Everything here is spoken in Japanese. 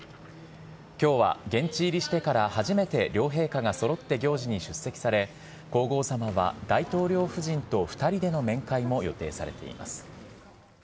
きょうは現地入りしてから初めて両陛下がそろって行事に出席され、皇后さまは大統領夫人と２人での面会も予定されています。